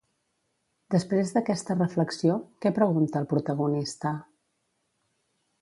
Després d'aquesta reflexió, què pregunta el protagonista?